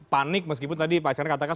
panik meskipun tadi pak syarif katakan